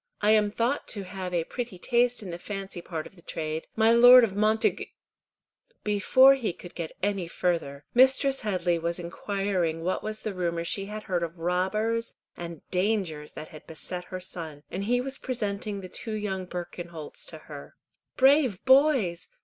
"I am thought to have a pretty taste in the fancy part of the trade. My Lord of Montagu—" Before he could get any farther, Mistress Headley was inquiring what was the rumour she had heard of robbers and dangers that had beset her son, and he was presenting the two young Birkenholts to her. "Brave boys!